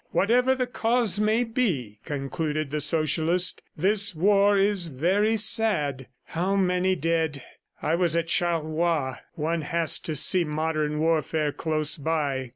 "Whatever the cause may be," concluded the Socialist, "this war is very sad. How many dead! ... I was at Charleroi. One has to see modern warfare close by.